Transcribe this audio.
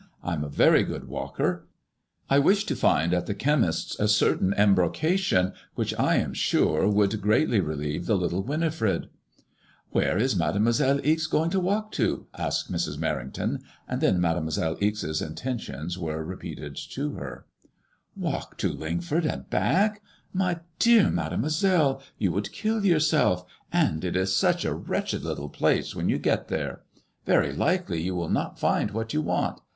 I am a very good walker. I wish to find at the chemist's a certain embro cation, which I am sure would greatly relieve the little Wini "Where is Mademoiselle Ize going to walk to ?" asked Mr& Merrington, and then Mademoi MADEMOISELLE IXE. IO7 selle Ixe's intentions were re peated to her. Walk to Lingford and back ! My dear Mademoiselle, you would kill yourself, and it is such a wretched little place when you get there ; very likely you will not find what you want.